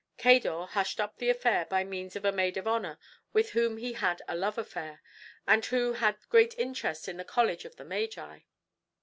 Cador hushed up the affair by means of a maid of honor with whom he had a love affair, and who had great interest in the College of the Magi.